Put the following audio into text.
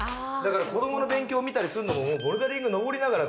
子どもの勉強を見たりするのもボルダリングしながら。